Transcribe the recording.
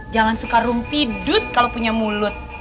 jangan suka rumpi dut kalau punya mulut